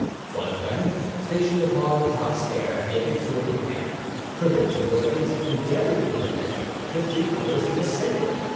One of them, stationed upon the top stair, naked sword in hand, prevented, or at least endeavored to prevent, the three others from ascending.